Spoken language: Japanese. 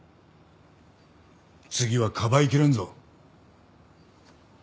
次はかばいきれんぞ。